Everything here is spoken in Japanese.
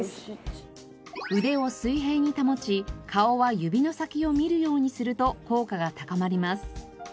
腕を水平に保ち顔は指の先を見るようにすると効果が高まります。